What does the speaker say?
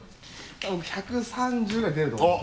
多分１３０ぐらい出ると思うんです。